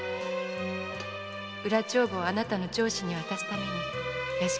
裏帳簿をあなたの上司に渡すために屋敷に来たのです。